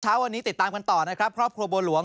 เช้าวันนี้ติดตามกันต่อนะครับครอบครัวบัวหลวง